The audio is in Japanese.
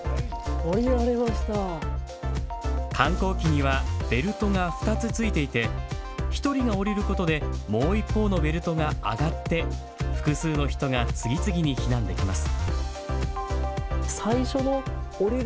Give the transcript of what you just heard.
緩降機にはベルトが２つついていて、１人が降りることでもう一方のベルトが上がって複数の人が次々に避難できます。